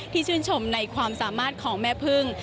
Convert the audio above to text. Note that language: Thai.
ชื่นชมในความสามารถของแม่พึ่ง